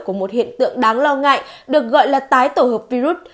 của một hiện tượng đáng lo ngại được gọi là tái tổ hợp virus